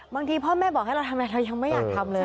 พ่อแม่บอกให้เราทำอะไรเรายังไม่อยากทำเลย